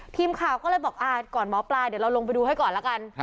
ทีมข่าวก็เลยบอกก่อนหมอปลาเดี๋ยวเราลงไปดูให้ก่อนละกัน